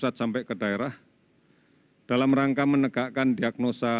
kami sudah melakukan pemeriksaan di sembilan april